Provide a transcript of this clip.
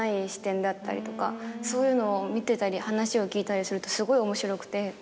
そういうのを見てたり話を聞いたりするとすごい面白くて。